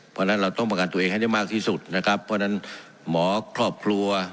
เพราะฉะนั้นเราต้องประกันตัวเองให้ได้มากที่สุดนะครับเพราะฉะนั้นหมอครอบครัว